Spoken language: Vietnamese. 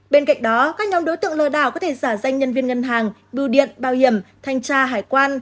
bên cạnh đó các nhóm đối tượng lừa đảo có thể giả danh nhân viên ngân hàng bưu điện bảo hiểm thanh tra hải quan